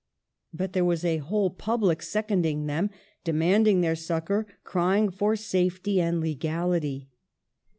But there was a whole public second ing them, demanding their succor, crying for safety and legality.